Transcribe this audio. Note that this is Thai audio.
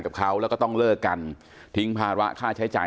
กับเขาแล้วก็ต้องเลิกกันทิ้งภาระค่าใช้จ่าย